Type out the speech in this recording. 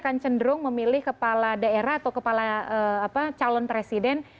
akan cenderung memilih kepala daerah atau kepala calon presiden